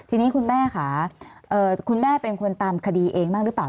ทีนี้คุณแม่ค่ะคุณแม่เป็นคนตามคดีเองบ้างหรือเปล่า